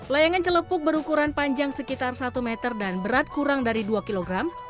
layangan celepuk berukuran panjang sekitar satu meter dan berat kurang dari dua kilogram